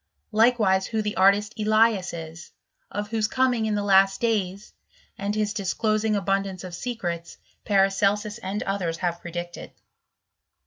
Likewise who the artist Elias is, of whose coming in the last days, and his disclosing abundance of secrets, Paracelsus and others have predicted.